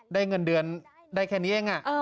ได้เงินเดือนได้แค่นี้เองอ่ะ